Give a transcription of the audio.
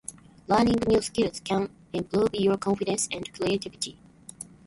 Learning new skills can improve your confidence and creativity.